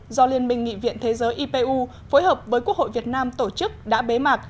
do liên minh nghị viện thế giới ipu phối hợp với quốc hội việt nam tổ chức đã bế mạc